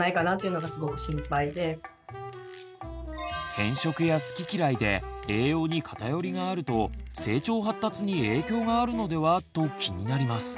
偏食や好き嫌いで栄養に偏りがあると成長発達に影響があるのでは？と気になります。